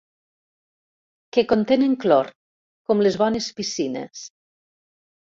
Que contenen clor, com les bones piscines.